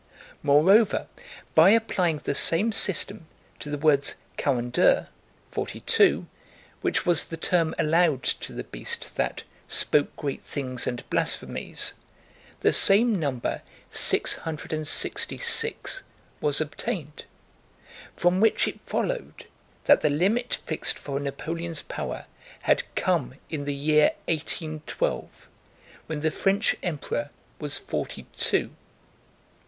Moreover, by applying the same system to the words quarante deux, * which was the term allowed to the beast that "spoke great things and blasphemies," the same number 666 was obtained; from which it followed that the limit fixed for Napoleon's power had come in the year 1812 when the French emperor was forty two.